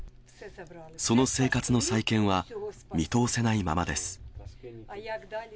その生活の再建は、見通せないままです。